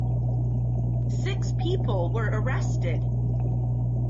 Six people were arrested.